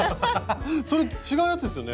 それ違うやつっすよね？